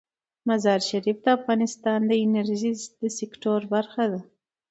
مزارشریف د افغانستان د انرژۍ سکتور برخه ده.